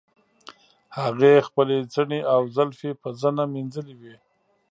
هغې خپلې څڼې او زلفې په زنه مینځلې وې.